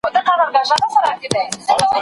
درس په ارامه فضا کي وړاندې کېږي.